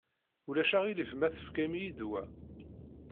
Ulac aɣilif ma tefkam-iyi-d wa?